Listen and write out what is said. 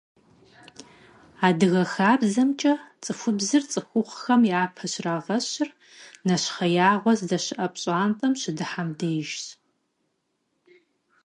Адыгэ хабзэмкӀэ цӀыхубзыр цӀыхухъухэм япэ щрагъэщыр нэщхъеягъуэ здэщыӀэ пщӀантӀэм щыдыхьэм дежщ.